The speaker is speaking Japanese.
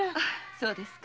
そうですか。